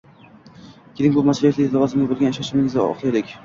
Keling, bu mas'uliyatli lavozimga bo'lgan ishonchimizni oqlaylik!